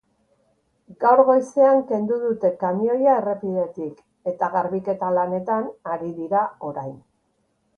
Gaur goizean kendu dute kamioia errepidetik eta garbiketa lanetan ari dira orain.